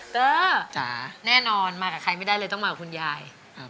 เตอร์จ๋าแน่นอนมากับใครไม่ได้เลยต้องมากับคุณยาย